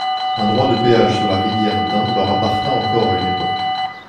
Un droit de péage sur la rivière d'Ain leur appartint encore à une époque.